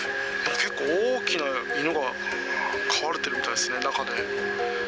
結構大きな犬が飼われているみたいですね、中で。